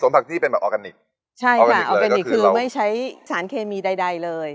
ผักที่เป็นแบบออร์แกนิคใช่ค่ะออร์แกนิคคือไม่ใช้สารเคมีใดใดเลย